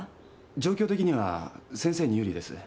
状況的には先生に有利です。